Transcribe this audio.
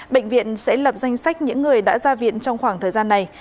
bệnh viện sẽ lập danh sách những người đã ra viện trong khoảng thời gian này